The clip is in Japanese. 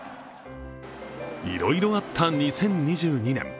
いろいろあった２０２２年。